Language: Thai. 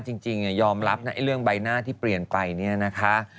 จริงยอมรับนะเรื่องใบหน้าที่เปลี่ยนไปเนี่ยนะคะ